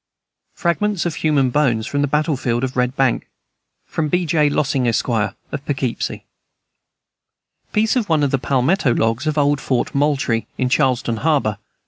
Fragments of human bones from the battle field of Red Bank. From B. J. Lossing, Esq., of Poughkeepsie. Piece of one of the palmetto logs of old Fort Moultrie, in Charleston harbor.